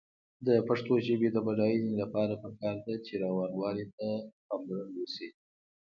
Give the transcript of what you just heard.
د پښتو ژبې د بډاینې لپاره پکار ده چې روانوالي ته پاملرنه وشي.